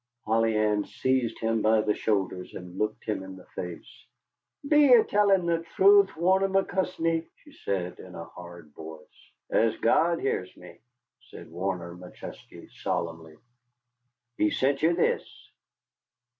Polly Ann seized him by the shoulders, and looked him in the face. "Be you tellin' the truth, Warner McChesney?" she said in a hard voice. "As God hears me," said Warner McChesney, solemnly. "He sent ye this."